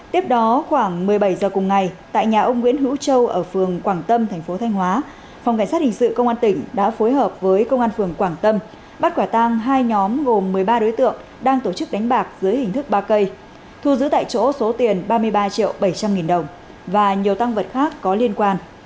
ngày bảy tháng hai tại tiểu khu nam giang thị trấn nông cống huyện nông cống phòng cảnh sát hình sự công an tỉnh thanh hóa phối hợp với công an thị trấn nông cống đứng ra tổ chức đánh bạc và tổ chức đánh bạc dưới hình thức ba cây do đối tượng nguyễn đình vinh ở xá tân thọ huyện nông cống đứng ra tổ chức thu giữ tại chỗ năm mươi năm sáu triệu đồng và nhiều tăng vật khác có liên quan